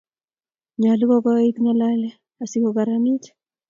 nyolu kokoit ng'alale asi kokararanit